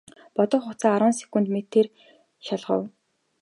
Бодох хугацаа арван секунд гэх мэтээр шалгав.